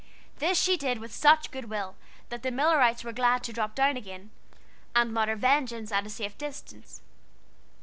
This she did with such good will that the Millerites were glad to drop down again, and mutter vengeance at a safe distance.